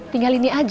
tinggal ini aja